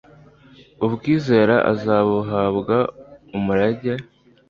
ubwizera azabuhabwaho umurage